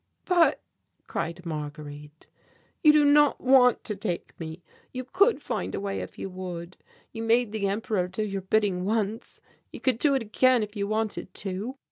"But," cried Marguerite, "you do not want to take me; you could find a way if you would you made the Emperor do your bidding once you could do it again if you wanted to."